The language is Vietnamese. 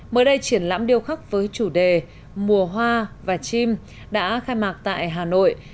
mới đây triển lãm điêu khắc với chủ đề mùa hoa và chim đã khai mạc tại hà nội